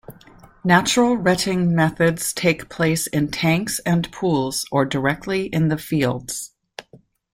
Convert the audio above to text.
Natural retting methods take place in tanks and pools, or directly in the fields.